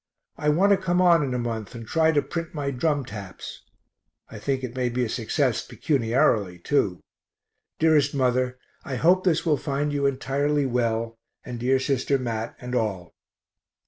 I want to come on in a month and try to print my "Drum Taps." I think it may be a success pecuniarily, too. Dearest mother, I hope this will find you entirely well, and dear sister Mat and all.